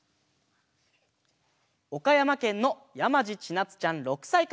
おかやまけんのやまじちなつちゃん６さいから。